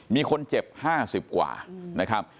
มีคนเจ็บ๕๐ว่า